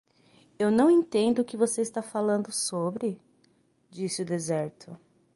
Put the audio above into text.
"Eu não entendo o que você está falando sobre?", disse o deserto.